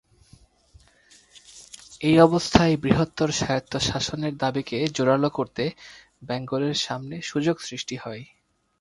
এই অবস্থায় বৃহত্তর স্বায়ত্তশাসনের দাবিকে জোরালো করতে বেঙ্গলের সামনে সুযোগ সৃষ্টি হয়।